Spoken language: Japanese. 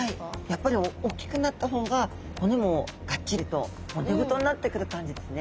やっぱりおっきくなった方が骨もがっちりと骨太になってくる感じですね！